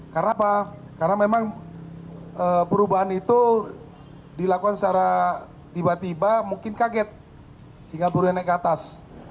karena apa karena memang perubahan itu dilakukan secara tiba tiba mungkin kaget sehingga pelurunya naik ke atas